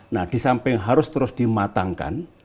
nah di samping harus terus dimatangkan